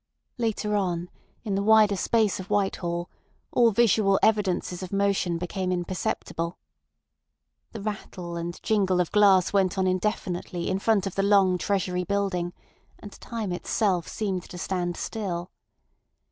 Later on, in the wider space of Whitehall, all visual evidences of motion became imperceptible. The rattle and jingle of glass went on indefinitely in front of the long Treasury building—and time itself seemed to stand still.